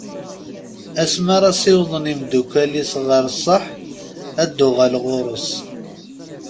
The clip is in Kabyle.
Asma ara sawḍen i umddakel-is ɣer sseḥ ad d-yuɣal ɣur-s.